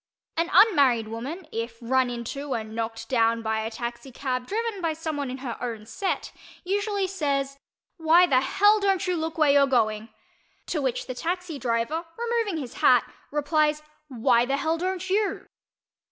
An unmarried woman, if run into and knocked down by a taxicab driven by someone in her own "set," usually says "Why the hell don't you look where you're going?" to which the taxi driver, removing his hat, replies "Why the hell don't _you?